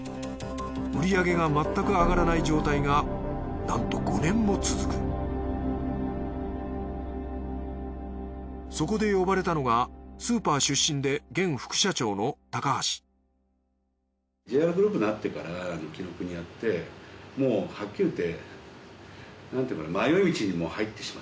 売り上げがまったく上がらない状態がなんと５年も続くそこで呼ばれたのがスーパー出身で現副社長の橋もうはっきり言って。